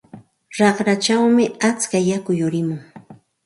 Raqrachawmi atska yaku yurimun.